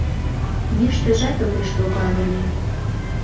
Йӱштыжат огеш логал ыле.